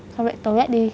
xong rồi tối lại đi